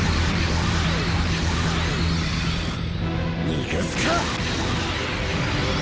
逃がすか！